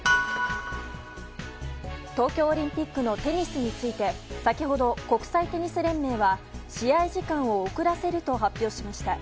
東京オリンピックのテニスについて先ほど国際テニス連盟は試合時間を遅らせると発表しました。